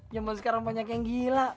zaman sekarang banyak yang gila